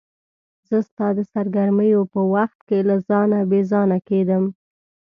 زه ستا د سرګرمیو په وخت کې له ځانه بې ځانه کېدم.